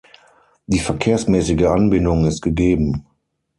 Die verkehrsmäßige Anbindung ist gegeben.